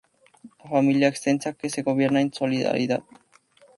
la familia extensa que se gobierna en solidaridad